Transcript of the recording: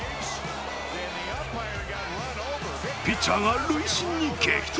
ピッチャーが塁審に激突。